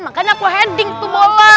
makanya aku heading tuh bola